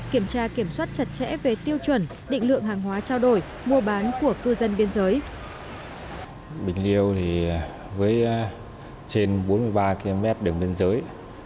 kiểm tra kiểm soát chặt chẽ về tiêu chuẩn định lượng hàng hóa trao đổi mua bán của cư dân biên giới